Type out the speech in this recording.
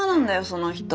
その人。